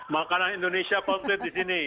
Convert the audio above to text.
makanan indonesia komplit di sini